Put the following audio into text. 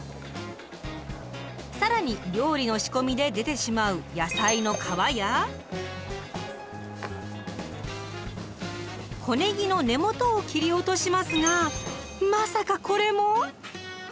更に料理の仕込みで出てしまう小ねぎの根元を切り落としますがまさかこれも⁉